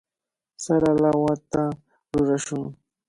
Sara lawata rurashun.